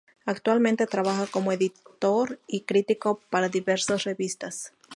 Actualmente trabaja como editor y crítico para diversas revistas.